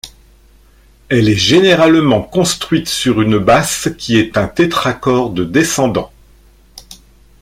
Elle est généralement construite sur une basse qui est un tétracorde descendant.